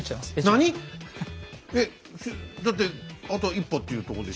えっだってあと一歩っていうとこでしょ？